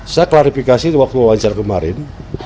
saya klarifikasi waktu wajar kemarin